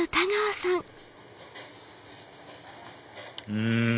うん！